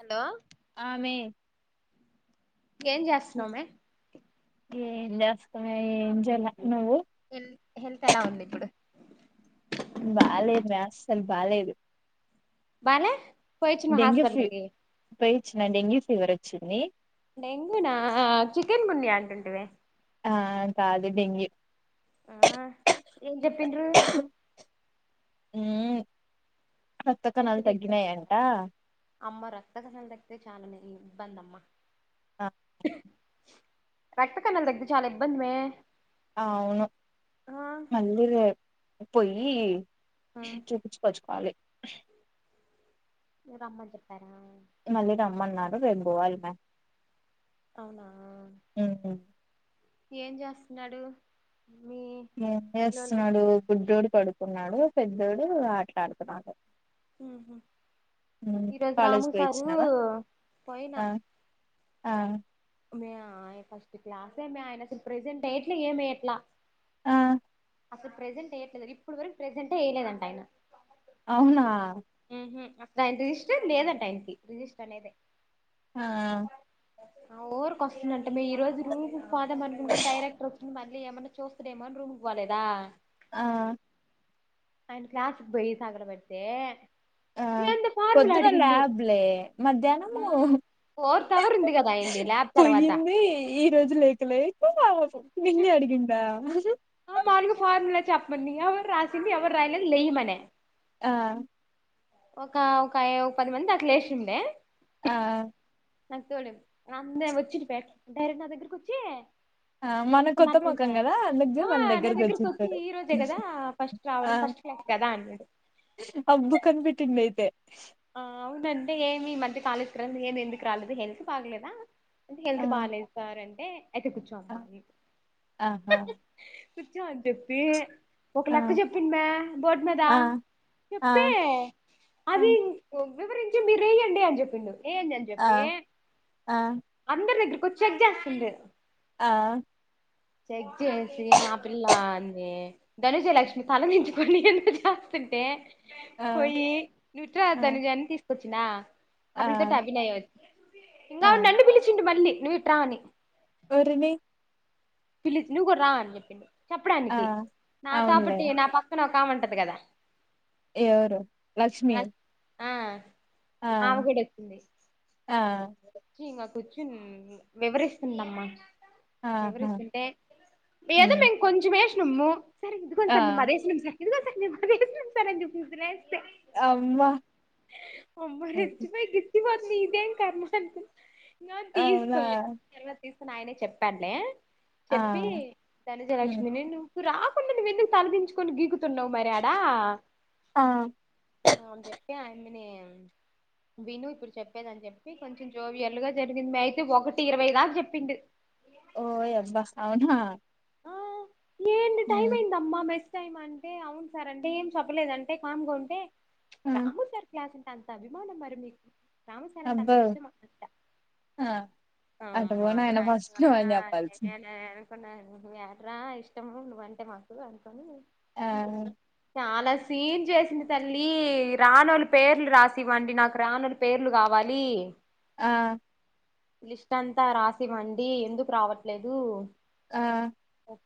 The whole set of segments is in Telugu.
హలో ఆమె ఏం చేస్తున్నామే ఏంజేల నువ్వు హెల్ హెల్త్ ఎలా ఉంది ఇప్పుడు బాలేదు రా అసలు బాలేదు బాల డెంగి ఫి పోయిచ్చిన డెంగి పీ ఫీవర్ వచ్చింది డెంగ్యూనా చికెన్ గునియా అంటుంటే ఆ కాదు డెంగ్యూ ఆ ఎం చెప్పిండ్రు ఉమ్ పెస్ట్ తీస్తారంట అమ్మ రక్త కస తక్తే చాలానే ఇబ్బందమ్మా రక్త కణాలు తగ్గితే చాలా ఇబ్బంది మే అవును మళ్ళీ రేపు చెప్ పోయి చూపిచుకోచ్చుకోవాలి రమ్మంచెప్పా మళ్ళీ రమ్మన్నారు రేబ్బోవాలి మె అవునా ఏం చాస్తున్నాడు ఏం చేస్నాడు బుడ్డోడు పడుకున్నాడు పెద్దోడు ఆట్లాడుతున్నాడు మ్ హు మ్మ్ ఈరోజు కాలేజ్ రాము పోయి సారు వచ్చినావా పోయినా ఆ ఆ మే ఆయ ఫస్ట్ క్లాసే మే ఆయనసలు ప్రజెంట్ అయ్యట్లే ఏమెయ్యట్లా ఆ అసలు ప్రజెంట్ ఎయట్లేదు ఇప్పడు వరకు ప్రజెంటే ఎయ్ లేదంటాయన అవునా ఆయన రిజిస్టరే లేదంట ఆయనకి రిజిస్టర్ అనేదే ఆ ఓ ఆ ఊరికస్తుందంట మే ఈ రోజు రూజు పోదమనుకుంటే డైరెక్టర్ వచ్చిం [unintelligible] మని ఏమైన్నా చూస్తడేమోని రూమ్కి పోలేదా ఆ ఆయన క్లాస్కు బోయి తగలబెడితే ఆ ఏందో ఫార్ములా పొద్దున అడిగిండు ల్యాబ్లే మధ్యాహ్నము ఆ ఫోర్త్ అవర్ ఉంది కదా అయింది ల్యాబ్ తర్వాత పొయ్యినింది ఈ రోజు లేకలే [unintelligible] నిన్నే అడిగిందా ఆ మామూలుగ ఫార్ములా చెప్మంది ఎవరు రాసింది ఎవరు రాయలేద్ లయ్ మనే ఆ ఒక ఒక ఒక పది మంది అట్ లేచిండే ఆ నాకు తోడు అందే వచ్చింటే డైరెక్ట్ నా దగ్గరకొచ్చి ఆ మన కొత్త ముఖం గదా అందుకు ఆ మన నా దగ్గరకు వచ్చి దగ్గరకొచ్చుంటాడు ఈ రోజే కదా ఫస్ట్ రావడం ఫస్ట్ క్లాస్ కదా అన్నాడు అబ్బు కనిపట్ టిండైతే కాలజ్ కి రాలే [unintelligible] ఏం ఎందుకు రాలేదు ఏం హెల్త్ బాలేద ఆ హెల్త్ బాలేద్ సార్ అం [inaudible] టే అయితే కూర్చో ఆ అమ్మా ఆహా కుర్చో అని చెప్పి ఒక ఆ లెక్క చెప్పింది మే బోర్డ్ మీద ఆ ఆ చెప్పి ఆ అది వివరించి మీరెయ్యండి అని చెప్పింది ఏందని ఆ చెప్పి ఆ అందరి దగ్గిర డు చెక్జాస్తోంది ఆ చెక్ చేసి ఆ పిల్లన్ని ధనుజ లక్ష్మి తలదించుకొని ఎంత చేస్తుంటే ఆ ఆ పోయి నువిట్రా ధనుజనీ తీస్ కోచ్చిన ఆ అప్పుడు తట అభినయ ఇంకా ఆ నన్ను పిలిచిండు మళ్ళీ నువ్వు ఇట్రా అని ఓరిని పిల్లి నువ్వు కూడా రా అని చెప్పిండు ఆ చెప్పడానికి నాతో పు అవునులే ట్టి నా పక్కన ఒక కాముంటది కదా ఎవరు లక్ష్మిీ ఆ ఆమె కూడా వోచ్చింది ఆ ఇంగ కూర్చునీ వివరిస్తుందమ్మా ఆహా వివరిస్తుంటే ఏదో హ్మ్ మేము కొంచమేస్ చేము సార్ ఇదిగోండి ఆ సార్ మేం మదేసినం సార్ ఇదిగో సార్ మేం ఆదేసినం సార్ అని చెప్ [unintelligible] చే అమ్మా అమ్మ ఇచ్చ హ్మ్. బోయి గిచ్చ కోడ్ మీదెం కర్మ [unintelligible] నా అవునా తీసుతో అయి ఎలా తీస్ నాయనే చెప్పాడ్లే ఆ చెప్పి ధనజ హ్మ్ లక్ష్మిని నువ్వు రాక్ నువ్వెందుకు తలదించుకని గికు తున్నావు మరి ఆడా ఆ! అనీ చెప్పి అయి విను ఇప్పుడు చెప్పేదని చెప్పి కొంచెం జోవియల్గా జరిగింది. అయితే ఒకటి ఇరవై దాకా చెప్పిండు. ఓయ అబ్బా అవునా ఆ ఏంటి టైం హ్మ్ అయిందమ్మా మెస్ టైమ్ అంటే అవును సార్ అంటే ఏం చెప్పలేదంటే కామ్గా ఉంటే ఆ! రాము సార్ క్లాస్ ఏ అంత అభిమానం మరి మీకు రాము సారంట అంత అబ్బో ఇష్టమా అంత ఆ అ అటు పో నాయనా ఫస్ట్ నువ్వని చెప్పాల్సింది [unintelligible] ప్ప [unintelligible] నువ్ ఎట్రా ఇష్టము నువ్వంటే మాకు అనుకోని ఆ చాలా సీన్ చేసింది, తల్లి రాణలు పేర్లు రాసివ్వండి. నాకు రాణల పేర్లు కావాలి. ఆ లిస్ట్ అంతా రాసివండి ఎందుకు రావట్లేదు. ఆ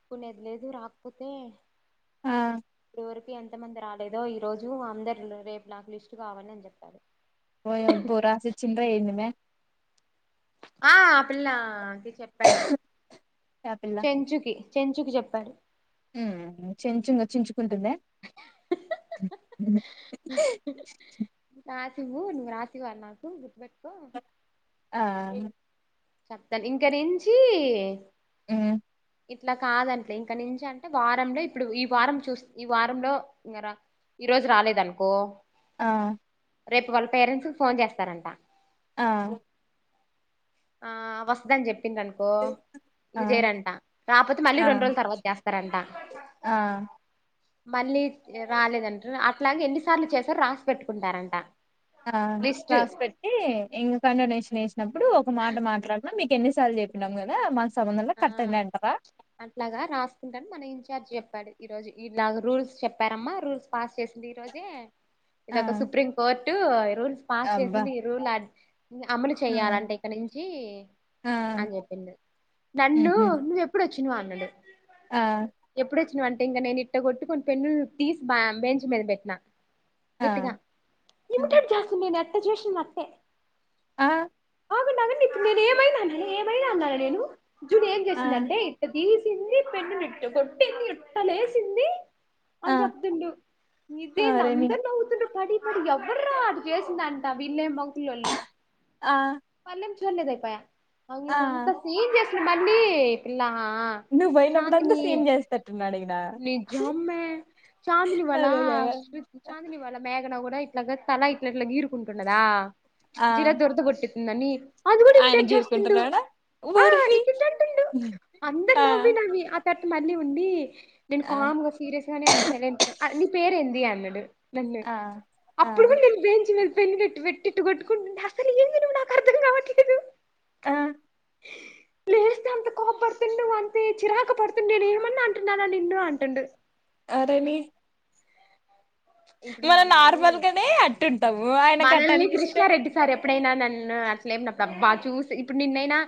కునేది లేదు రాకపోతే ఆ వరికు ఎంతమంది రాలేదో, ఈ రోజు అందరు రేపు నాకు లిస్ట్ కావాలి అని చెప్పారు. ఓయ్ ఒబ్బు రాసి చింద ఎందమే ఆ అ పిల్ల చెప్పాడు చెంచుకి చెంచుకు చెప్పాడు. ఊ చెంచు ఇగ చెంచుకుంటుంద [unintelligible] నువ్వు రాసివ్వాలి నాకు గుర్తుపెట్టుకో. ఆ చెప్తాను ఇంకా నుంచి హు ఇట్లా కాదట్లే ఇంకా నుంచి అంటే వారంలో ఇప్పుడు ఈ వారం చూ ఈ వారంలో ఇ ఈ రోజు రాలేదు అనుకో. ఆ రేపు వాళ్ళ పేరెంట్స్కి ఫోన్ చేస్తారంట. ఆ ఆ వస్తదని చెప్పి చెప్ప అనుకో ఆ నువ్వు చేయరంట. రాకపోతే మళ్ళీ ఆ రెండు రోజుల తర్వాత చేస్తారంట. ఆ మళ్ళీ రాలేదంటరు అట్లాగ ఎన్నిసార్లు చేసారు రాసి పెట్టుకుంటారంట. ఆ లిస్ట్ క్లాస్ పెట్టి ఇంగ్ కాండి నేషన్ నేసిన నప్పుడు ఒక మాట మాట్లాడిన మీక్ ఎన్ని సార్లు చెప్పినాం గదా మా ఆ అట్లాగా రాసుంటాను. మన ఇన్ఛార్జ్ చెప్ చెప్పాడు ఈ రోజు ఈలా రూల్స్ చెప్పారమ్మా, రూల్స్ పాస్ చేసింది ఈ రోజే. ఆ ఇందాక సుప్రీంకోర్ట్ టు రూల్స్ పాస్ చేసి అబ్బా ఈ రూల్ అమలు ఆ చెయ్యాలంటే ఇక నుంచి అని చెప్పింది. ఊ హ ఇచ్చినవి హండ్రెడు ఆ అంటే ఇంకా నేను ఇట్ట కొట్టి కొన్ని పెన్నులు తీసి బేంచ్ మీద పెట్టినా ఆ గట్టిగా ఆ ఇమిటెడ్ చేస్తుంది నన్ రుచి జుషి నట్టే ఆ ఆగండి ఆగండి నేను ఏమైనా అన్నాన ఏమైన అన్నాన నేను జూడు ఏం ఆ చేసిందాంటే ఇటదీసి కిందే పెన్ను ని ఇట్ట కొట్టేసి ఇట్ట లేసింది ఆ చెప్పుతుండు ఆ ఇదేంది రేని అందరు నవ్వుతుండ్రు పడి వాడు ఎవ్వర్రా అది చేసిందంట వీళ్లేమో పిల్లొలు ఆ పళ్ళెం జొన్నె దయి పయా అ ఆ నేను ఎంత సీన్ చేస్త మన్నీ పిల్లా ఆ ఆ నువ్వు చాందినీ పోయినప్పుడంతా సీన్ చేస్తట్టున్నాడు ఈయన నిజమే చాందినీ వాళ్ళ అదే కదా చాందిని మే కూడా ఇట్లాగా తల ఇట్లా ఇట్లా గీరుకుంటున్నదా ఆ జీరా దురదబుట్టి నని ఆయన గీరుకుంటురడా వోర్ని చిచ్చెళ్తుండు అందరు నవ్వి నవ్వి ఆ తట్ మళ్ళీ ఉండి నేను ఆ కామ్గా సీరియస్ గానే ఉన్నా సైలెంట్ గా అ నీ పేరు ఎందీ అన్నడు నన్ను ఆ ఆ అప్పుడు కూడా నేను బెంచ్ మీద పెన్ను వేట్టి వేటిట్ట కొట్టుకుంటుం అసలు ఏంది నువ్వు నాకు అర్థం కావట్లేదు ఆ [inaudible] లేస్తే అంత కోపడుతుండు అంతే చిరాకు పడుతుండు నేను ఏమన్న అంటున్నా నిన్ను అంటుండు అరే నీ ఇప్పుడు మనం మనల్ని నార్మల్గానే అట్టు ఉంటాము ఆయనకు అట్ట అనిపిస్తే ఇప్పుడైనా నన్ను అట్లే ఏమనప్పుడు అబ్బ చూసి ఇప్పుడు నిన్నైనా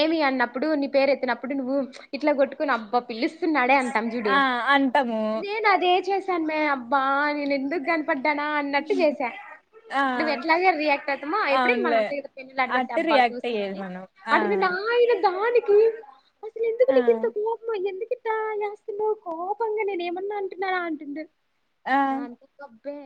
ఏమి అన్నప్పుడు ని పేరు ఎత్తినప్పుడు నువ్వు ఇట్లా గొట్టుకొని అబ్బ పిలిస్ స్తున్నాడే అంటంజుడు ఆ అంటాము నేను అదే చే టన్ మే అబ్బా నేను ఎందుకు గనపడ్డానా అన్నట్టు జేస ఆ నువ్వు ఎట్లాగే రియాక్ట్ అయితామో ఎప్పుడైన మనం అవునులే అంతే గద పెన్నులు అడబెట్టి అట్టు అబ్బా రియాక్ట్ అయ్యేది చూసిందని మనం ఆ అటుండు ఆయన దానీ [unintelligible] ఆ ఎందుకు ఇట చేస్తున్నావ్ కోపంగా నేను ఏమన్నా అంటున్నారా అంటుండు ఆ నాన్ గుఖప్ పే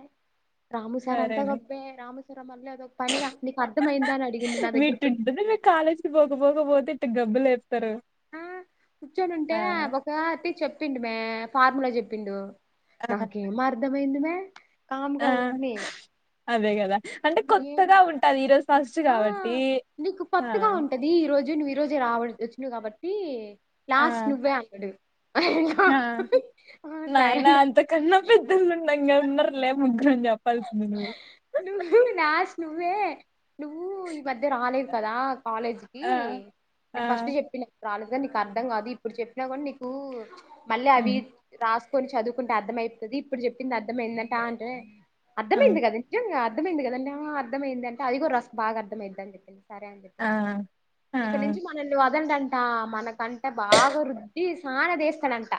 రాము సార్ అంతా గప్పె రాము సార్ మళ్ళీ అదొక పనిగా నీకు అర్థమయిందా అని అడిగిండు నా దగ్గరకు మీటుంటది మీ కాలేజీకి పోకపోకపోతే ఇటు గబ్బు లేప్ ఆ కూర్చోనుంటే ఒక ఆటి చెప్ చెప్పిండు మే ఫార్ములా చెప్పిండు ఆ నాకు ఏం మర్దం ైందమ కామ్ ఆ గా వుంట్ని అదే కదా అంటే కొత్తగా ఉంటాది ఈరోజు ఫస్ట్ ఆ కాబట్టి ఆ ఈరోజే రావ్ వచ్చిన కాబట్టి ఆ లాస్ట్ నువ్వే అంటాడు ఆ నాయినా సరేలే అంతకన్నా పెద్దలు ఉన్నాం క ఉన్నర్లే ముందు నేను చెప్పాల్సింది చూడు నువ్వు నాస్ నువ్వే నువ్వు ఈ మధ్య రాలేదు కదా కాలేజ్కి ఆ నేను ఫస్ట్ ఆ చెప్పినా రాలేద నీకు అర్థం కాదు ఇప్పుడు చెప్పినా కూడా నీకు మళ్ళీ అవి రాష్ట కొన్ని చదువుకుంటే అర్థం అయితది ఇప్పుడు చెప్పింది అర్థం అయిందా అంటే ఆ అంటే ఆ అర్థమేంది కదా నిజంగా అర్థమైంది కదంట అర్మయింది అంట అది రస బాగా అర్థమయితది చెప్పింది సరే అని ఆ చెప్పిన ఆ ఇక్కడ నుంచి మనల్ని వాల్ చదండంట మనకంట బాగా రుద్ది సానదేస్తాడంట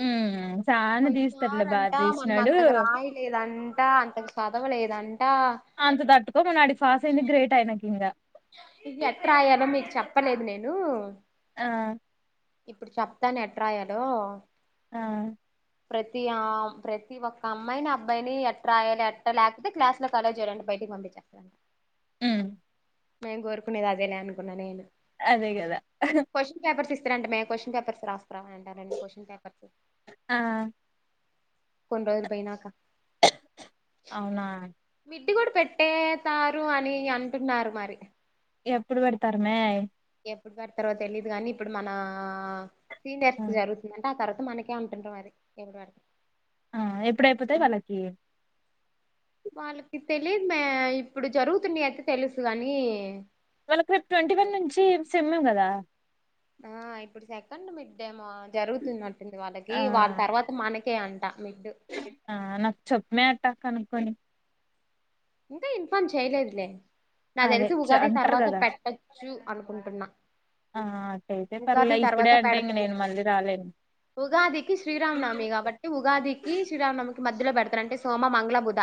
హ్మ్ చానా పయిసార తీస్తాట్లే బాగా అంట మనం తీసినాడు అంతగా రాయలేదంట అంతగా చదవలేదంట అంత తట్టుకో మ అడి ఫాస్ అయింది గ్రేట్ అయినకి ఇంకా ఎట్ రాయలో మీకు చెప్పలేదు నేను ఆ ఇప్పుడు చెప్తాను ఎట్రాయాలో ఆ ప్రతి ఆ ప్రతి ఒక్క అమ్మాయిని అబ్బాయిని ఎట్ట్రా రాయాలి ఎట్ట లేకపోతే క్లాస్ లో కళో చేయడండి బయటికి పంపించస్తా అ మేం కోరుకునేది అదేలే అనుకున్నా నేను అదే కదా ఇస్తర అంట మే కోషన్స్ పేపర్స్ రా రా ఉంటారండి కొషన్ పేపర్స్ ఆ కొన్ రోజులు పోయినాకా అవునా ఇిడ్ కూడా పెట్టేతారు అని అంటున్నారు మరి ఎప్పుడు పెడతారమే ఎప్పుడు పెడు తర్వాత తెలియదు కానీ ఇప్పుడు మన సీనియర్స్ ఆ జరుగుతుందంటే ఆ తరవాత మనకే అంటుంటు మరి ఆ ఎప్పుడయిపోతాయి వాళ్ళకి వాళ్ళకి తెలిదు మే ఇప్పుడు జరుగుతున్నా అయితే తెలుసు కాని మనకు ట్వంటీ వన్ నుంచి సమ్ఎం కదా ఆ ఇప్పుడు సెకండ్ మిడ్ డే జరుగుతుందిట్టు వాళ్ళకి ఆ వాళ్ళ తర్వాత మనకి ఒకేఅండి ఆ నాకు చెొప్పుమే అట్టా కను కొన్ని ఇకా ఇన్ఫార్మ్ చేయలేదులే నా అదే తెలిసి చ ఉగాది అంటారు తర్వాత కదా పెట్టచ్చు అనుకుంటున్నా ఆ అట్టయితే పర్లే ఉగాది ఇప్పుడే తర్వాత అంటే ఇంక పెడతారు నేను మళ్ళీ రాలేను ఉగాదికి శ్రీరామ్నమి కాబట్టి ఉగాదికి శ్రీరామనమి మధ్యలో పెడతాన అంటే సోమ మంగ్ళ బుధ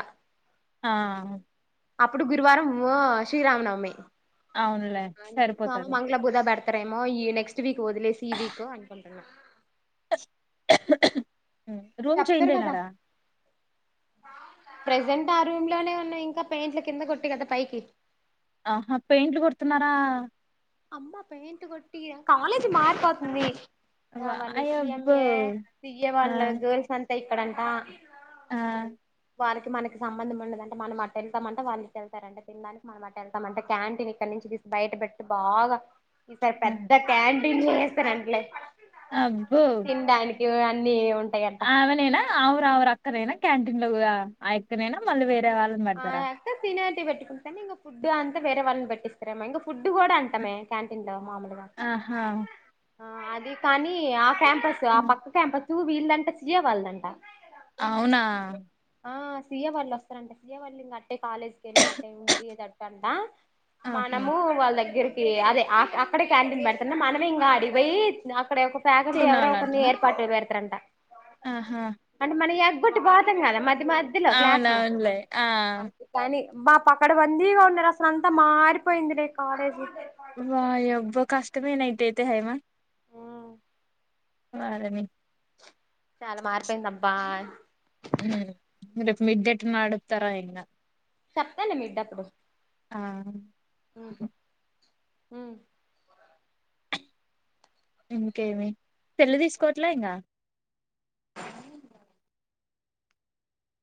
ఆ అప్పుడు గురువారం శ్రీరామనవమి అవునులే కామ సరిపోతది మంగళ బుధ బడత రేమో ఈ నెక్స్ట్ వీక్ వదిలేసి ఈ వీక్ అనుకుంటన్నా అ రూమ్ చెప్తారు చేయింజేయీనారా ప్రజెంట్ ఆ రూమ్ లోనే ఉన్నాయి ఇంకా పెయింట్ల కింద కొట్టి కదా పైకి ఆహా పెయింట్లు కొడుతున్నారా అమ్మ పేయింట్ కొట్టి కాలేజ్ మారిపోతుంది మళ్ళ అయబ్బో సిఎంఏ సిఏ ఆ వాళ్ళ జోం స్ ఇక్కడంతా ఆ వాారికినకి సంబం ఉండదంటే మన అట్టటు వెళ్తామంటే వాారికిళ్తారంట తినడానికి మన అట్ట వెళ్తామ అంట క్యాంటీన్ ఇక్కడ నుంచి తీసి బయట పెట్ట బాగ్ ఈసారి ఆ, పెద్ద క్యాం చేస్తర అంలే అబ్బో ఒ అన్నీ ఉం అవనేనా అరవర్ అక్కరేనా క్యాంటీన్ లో కూడా ఆ ఎక్కనైనా మళ్ళీ వేర శవాలను పెడతారా పెట్టుకుంటే ఇక ఫుడ్ అంతా వేరే వాళ్ళని పెట్టిస్తారేమ్ ఇక ఫుడ్ కూడా అంటామే క్యాంటీన్ లో మామూలుగా ఆహా ఆ అది కానీ ఆ క్యాంపస్ ఆ ఉమ్. పక్క క్యాంపస్ తూ వీళ్ళంట సియ వాళ్ళదంట అవునా ఆ సీఏ వాళ్ళు వస్తారంట విజయవాల్లింగ్ అట్టే కాలేజ్కి వెళ్ళి అట్టే ఉండి దిట్ట అంట ఆహా మనము వాళ్ళ దగ్గర అదే అక్కడే క్యాంటీన్ పెడుతున్నా మనమే ఇంకా అడికి పోయి ఇక్కడ ఒక ఫ్యాకల్టీ ఎవరో ఒకరిని తినాలంటనా ఏర్పాటు పెడతారంట ఆహా అంటే ప్రియ కి బొట్టు బాతకాద మరి ది మద్దెలో క్లాసులు అవునవునులే ఆ అంతే కం మా పక్కడ బందీగా ఉన్నారస్సలు అంతా మారిపోయింది న కాలేజీ తెవే నైతే దేతే హై ఆ వారని చాల మారిపోయింది అబ్బాయ్ ఊ ఊ రేపు మిడ్ నైట్ నడుప్తారా ఎట్లా చక్కని మిడ్డప్పుడు ఆ హు మ్ ఇంకేమి పెళ్లి జేసుకోవట్లే ఇంకా